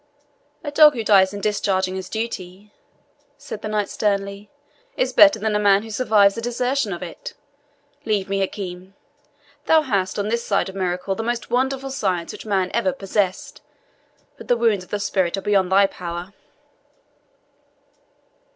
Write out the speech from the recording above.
"A dog who dies in discharging his duty," said the knight sternly, "is better than a man who survives the desertion of it. Leave me, Hakim; thou hast, on this side of miracle, the most wonderful science which man ever possessed, but the wounds of the spirit are beyond thy power."